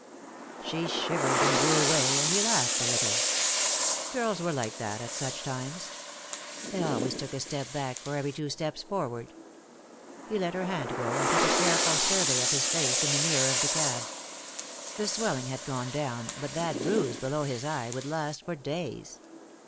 She shivered and drew away, and he laughed a little. Girls were like that, at such times. They always took a step back for every two steps forward. He let her hand go, and took a careful survey of his face in the mirror of the cab. The swelling had gone down, but that bruise below his eye would last for days.